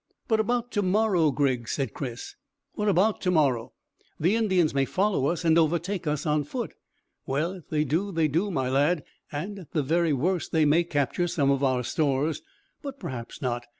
"But about to morrow, Griggs?" said Chris. "What about to morrow?" "The Indians may follow us and overtake us on foot." "Well, if they do, they do, my lad, and at the very worst they may capture some of our stores. But perhaps not.